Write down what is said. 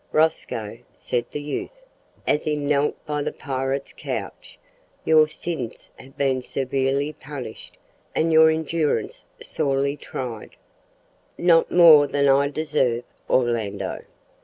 "Rosco," said the youth, as he knelt by the pirate's couch, "your sins have been severely punished, and your endurance sorely tried " "Not more than I deserve, Orlando."